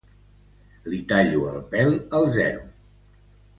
Li tallo el pèl al zero.